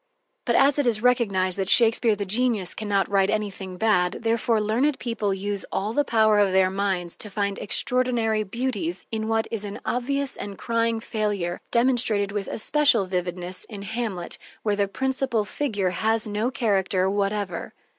But as it is recognized that Shakespeare the genius can not write anything bad, therefore learned people use all the powers of their minds to find extraordinary beauties in what is an obvious and crying failure, demonstrated with especial vividness in "Hamlet," where the principal figure has no character whatever.